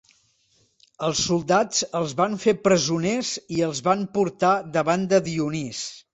Els soldats els van fer presoners i els van portar davant de Dionís.